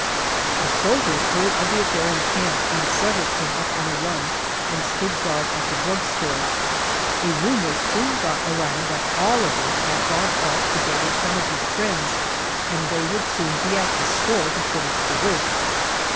The soldiers heard of the affair in camp, and several came up on a run and stood guard at the drug store. A rumor soon got around that Oliver had gone off to gather some of his friends, and they would soon be at the store to finish the work.